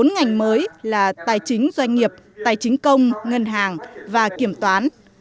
bốn ngành mới là tài chính doanh nghiệp tài chính công ngân hàng và kiểm toán